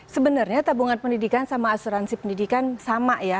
sebenarnya tabungan pendidikan sama asuransi pendidikan sama ya